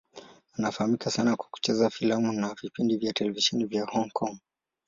Anafahamika sana kwa kucheza filamu na vipindi vya televisheni vya Hong Kong.